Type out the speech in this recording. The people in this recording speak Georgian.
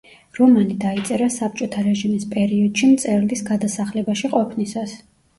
რომანი დაიწერა საბჭოთა რეჟიმის პერიოდში მწერლის გადასახლებაში ყოფნისას.